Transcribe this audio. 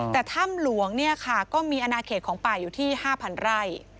แต่ถ้ำหลวงก็มีอนาคตของป่าอยู่ที่๕๐๐๐ไร่